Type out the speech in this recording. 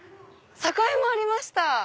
栄もありました！